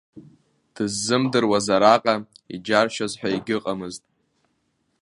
Дыззымдыруаз араҟа иџьаршьоз ҳәа егьыҟамызт.